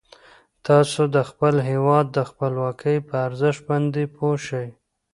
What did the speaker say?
تاسو د خپل هیواد د خپلواکۍ په ارزښت باندې پوه شئ.